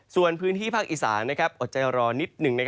ส่วนพื้นที่ภาคอีสานอดใจรอนิดหนึ่ง